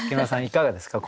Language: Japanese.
いかがですか？